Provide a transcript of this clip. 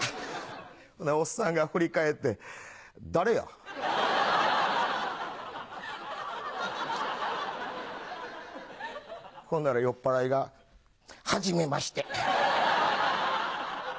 ほなおっさんが振り返って「誰や」。ほんなら酔っぱらいが「はじめまして」。